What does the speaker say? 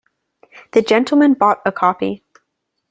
The gentleman bought a copy.